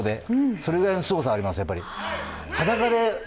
それぐらいのすごさあります。